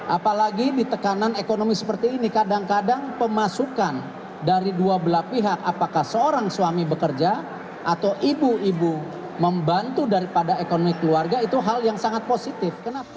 apalagi di tekanan ekonomi seperti ini kadang kadang pemasukan dari dua belah pihak apakah seorang suami bekerja atau ibu ibu membantu daripada ekonomi keluarga itu hal yang sangat positif